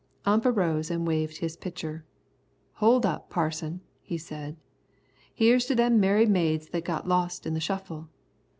Ump arose and waved his pitcher. "Hold up, Parson," he said. "Here's to them merry maids that got lost in the shuffle.